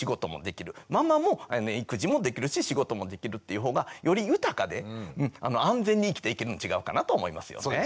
ママも育児もできるし仕事もできるっていうほうがより豊かで安全に生きていけるん違うかなと思いますよね。